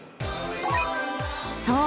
［そう。